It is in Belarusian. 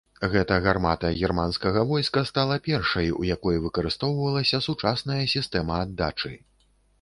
Гэта гармата германскага войска стала першай, у якой выкарыстоўвалася сучасная сістэма аддачы.